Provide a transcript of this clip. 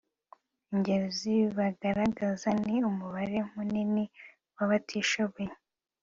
ingero zibigaragaza ni umubare munini w'abatishoboye